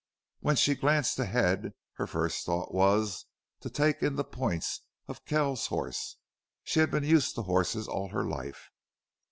When she glanced ahead her first thought was to take in the points of Kells's horse. She had been used to horses all her life.